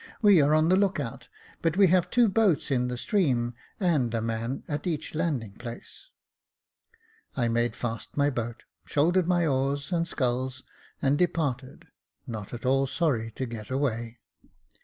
We are on the look out, but we have two boats in the stream, and a man at each landing place. I made fast my boat, shouldered my oars and sculls, and departed, not at all sorry to get away.